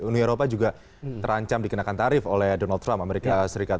uni eropa juga terancam dikenakan tarif oleh donald trump amerika serikat